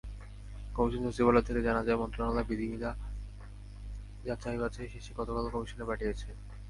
Commission সচিবালয় থেকে জানা যায়, মন্ত্রণালয় বিধিমালা যাচাই-বাছাই শেষে গতকাল কমিশনে পাঠিয়েছে।